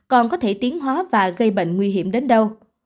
còn có thể tiến hóa và gây bệnh nguy hiểm đến đâu